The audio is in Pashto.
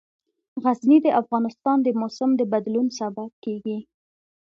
غزني د افغانستان د موسم د بدلون سبب کېږي.